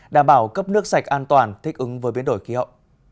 đảm bảo cấp nước sạch an toàn thích ứng với biến đổi khí hậu